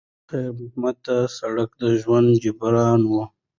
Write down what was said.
خیر محمد ته سړک د ژوند جبر و.